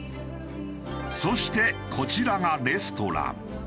そしてこちらがレストラン。